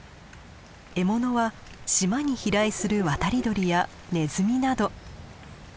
獲物は島に飛来する渡り鳥やネズミなど。